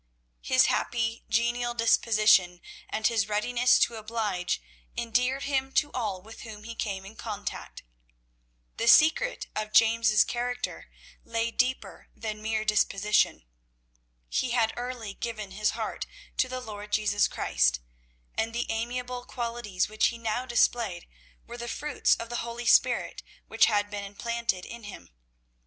His happy genial disposition and his readiness to oblige endeared him to all with whom he came in contact. The secret of James' character lay deeper than mere disposition. He had early given his heart to the Lord Jesus Christ, and the amiable qualities which he now displayed were the fruits of the Holy Spirit which had been implanted in him.